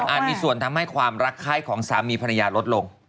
มีส่วนทำให้ความรักไข้ของสามีภรรยาลดลง